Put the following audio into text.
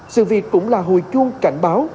sự việc cũng là hồi chuông cảnh báo